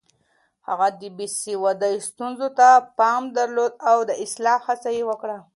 هغه د بې سوادۍ ستونزو ته پام درلود او د اصلاح هڅه يې وکړه.